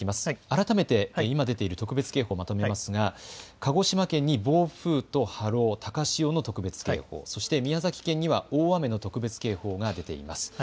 改めて、今出ている特別警報をまとめますが、鹿児島県に暴風と波浪、高潮の特別警報、そして宮崎県には大雨の特別警報が出ています。